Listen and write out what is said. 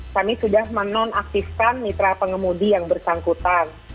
kami sudah menonaktifkan mitra pengemudi yang bersangkutan